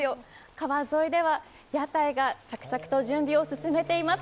川沿いでは屋台が着々と準備を進めています。